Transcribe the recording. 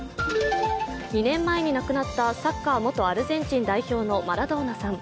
２年前に亡くなったサッカー元アルゼンチン代表のマラドーナさん。